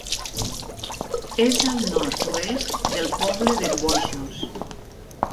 És al nord-oest del poble de Bóixols.